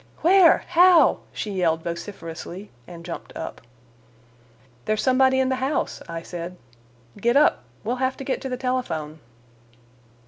"Where? How?" she yelled vociferously, and jumped up. "There's somebody in the house," I said. "Get up. We'll have to get to the telephone."